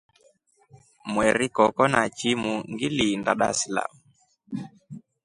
Mweri koko na chimu ngiliinda Darsalamu.